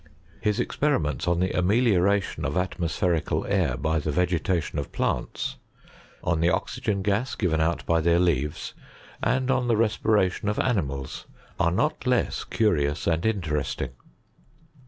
Hia ex periments OQ the amelioration of atmospherical air by the vegetation of plants, on the oxygen gas given oat by their leaves, and on the respiration of animals, are not less curious and interesting.